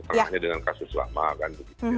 nah ini dengan kasus lama kan